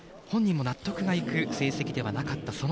本人も納得がいく成績ではなかった。